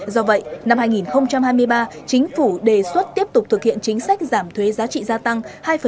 do vậy năm hai nghìn hai mươi ba chính phủ đề xuất tiếp tục thực hiện chính sách giảm thuế giá trị gia tăng